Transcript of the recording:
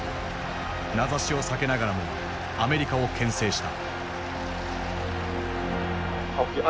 名指しを避けながらもアメリカを牽制した。